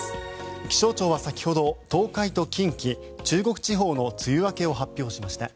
気象庁は、先ほど東海と近畿中国地方の梅雨明けを発表しました。